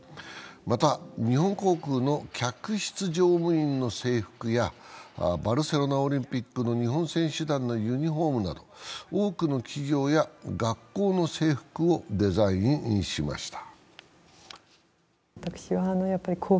また日本航空の客室乗務員の制服やバルセロナオリンピックの日本選手団のユニフォームなど多くの企業や学校の制服をデザインしました。